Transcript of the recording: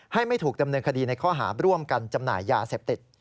ไม่ถูกดำเนินคดีในข้อหาร่วมกันจำหน่ายยาเสพติด